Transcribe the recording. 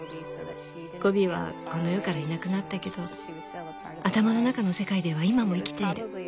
ゴビはこの世からいなくなったけど頭の中の世界では今も生きている。